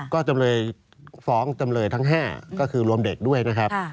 ก็จำเลยฟ้องจำเลยทั้ง๕ก็คือรวมเด็กด้วยนะครับ